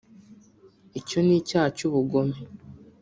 Icyo n’icyaha cy’ubugome